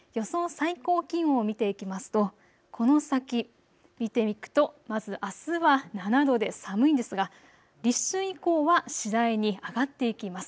最高気温を見ていきますと、この先、見ていくとまずあすは７度で寒いんですが立春以降は次第に上がっていきます。